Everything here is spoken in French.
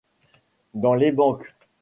Dans les banques.